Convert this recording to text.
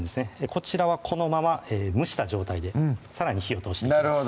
こちらはこのまま蒸した状態でさらに火を通していきます